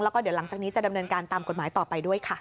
แล้วก็เดี๋ยวหลังจากนี้จะดำเนินการตามกฎหมายต่อไปด้วยค่ะ